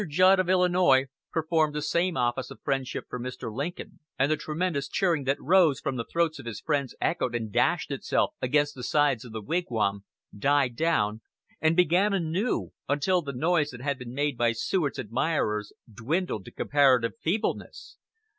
Judd, of Illinois, performed the same office of friendship for Mr. Lincoln, and the tremendous cheering that rose from the throats of his friends echoed and dashed itself against the sides of the Wigwam, died down, and began anew, until the noise that had been made by Seward's admirers dwindled to comparative feebleness.